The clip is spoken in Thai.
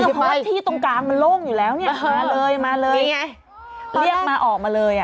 เพราะว่าที่ตรงกลางมันโล่งอยู่แล้วมาเลยเรียกมาออกมาเลย